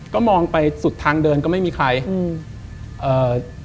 ก็มองไปสุดทางเดินก็ไม่มีใคร